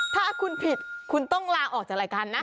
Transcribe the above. ถ้าคุณผิดคุณต้องลาออกจากรายการนะ